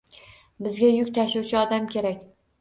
— Bizga yuk tashuvchi odam kerak!